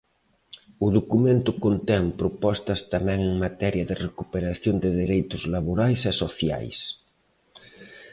O documento contén propostas tamén en materia de recuperación de dereitos laborais e socias.